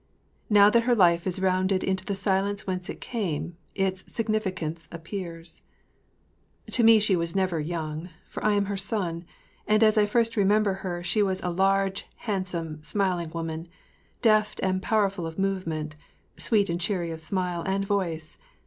Now that her life is rounded into the silence whence it came, its significance appears. To me she was never young, for I am her son, and as I first remember her she was a large, handsome, smiling woman—deft and powerful of movement, sweet and cheery of smile and voice.